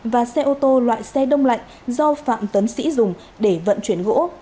và xe ô tô loại xe đông lạnh do phạm tấn sĩ dùng để vận chuyển gỗ